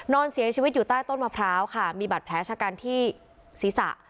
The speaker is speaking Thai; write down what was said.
นอนเสียชีวิตอยู่ใต้ต้นมะพร้าวค่ะมีบัตรแผลชะกันที่ศีรษะ